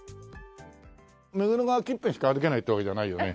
目黒川近辺しか歩けないってわけじゃないよね？